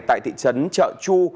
tại thị trấn chợ chu